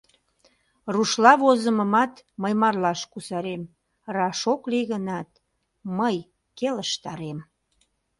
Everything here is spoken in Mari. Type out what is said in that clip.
Рушла возымымат мый марлаш кусарем, раш ок лий гынат, мый келыштарем.